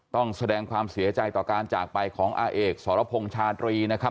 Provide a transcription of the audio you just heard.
ต้องแสดงความเสียใจต่อการจากไปของอาเอกสรพงษ์ชาตรีนะครับ